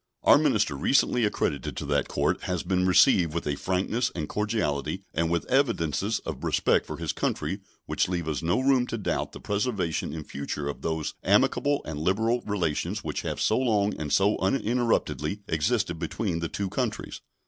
Our minister recently accredited to that Court has been received with a frankness and cordiality and with evidences of respect for his country which leave us no room to doubt the preservation in future of those amicable and liberal relations which have so long and so uninterruptedly existed between the two countries.